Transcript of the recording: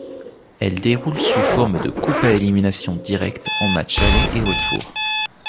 Elle déroule sous forme de coupe à élimination directe en matchs aller et retour.